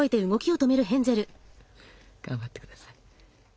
頑張ってください。